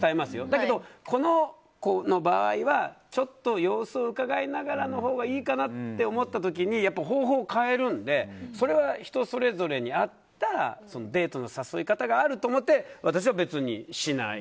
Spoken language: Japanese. だけど、このこの場合はちょっと様子をうかがいながらのほうがいいかなって思った時に方法を変えるのでそれは、人それぞれに合ったデートの誘い方があると思って私は別にしない。